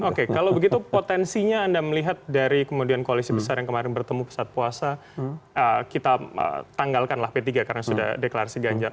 oke kalau begitu potensinya anda melihat dari kemudian koalisi besar yang kemarin bertemu pusat puasa kita tanggalkanlah p tiga karena sudah deklarasi ganjar